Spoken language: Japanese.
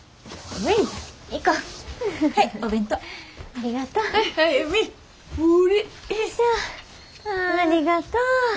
ああありがとう。